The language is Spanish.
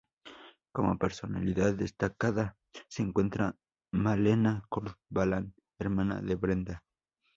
Como personalidad destacada se encuentra Malena Corbalán, hermana de Brenda.